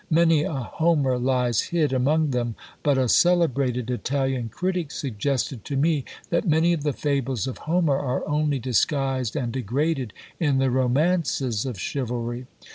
Many a Homer lies hid among them; but a celebrated Italian critic suggested to me that many of the fables of Homer are only disguised and degraded in the romances of chivalry.